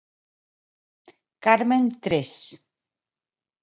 Carmen tres.